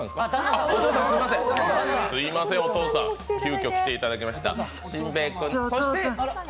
すみません、お父さん、急きょ来ていただきました。